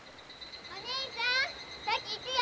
お姉ちゃん先行くよ！